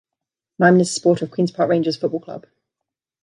Nyman is a supporter of Queen's Park Rangers Football Club.